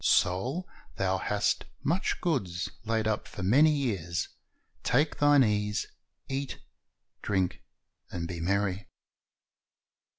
Soul, thou hast much goods laid up for many years; take thine ease, eat, drink, and be merry."